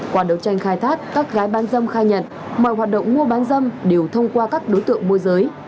qua đấu tranh khai thác các gái bán dâm khai nhận mọi hoạt động mua bán dâm đều thông qua các đối tượng môi giới